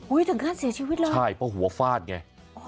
โอ้ยถึงการเสียชีวิตแล้วใช่เพราะหัวฟาดไง